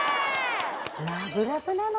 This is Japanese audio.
ラブラブなのよ。